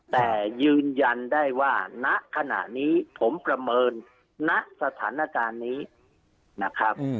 แต่ยืนยันได้ว่าณขณะนี้ผมประเมินณสถานการณ์นี้นะครับ